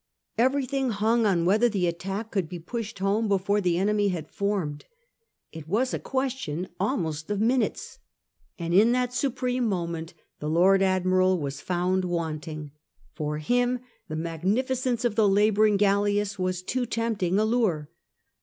Everything hung on whether the attack could be pushed home before the enemy had formed. It was a question almost of minutes, and in that supreme moment the Lord Admiral was found wanting. For him the magnificence of the labour ing galleasse was too tempting a lure.